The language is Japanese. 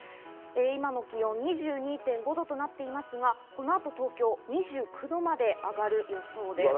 今の気温は２２．５度となっていますが、この後、東京は２９度まで上がる予想です。